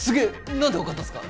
なんでわかったんすか？